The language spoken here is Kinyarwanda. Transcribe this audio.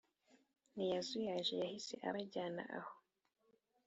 ntiyazuyaje yahise abajyana aho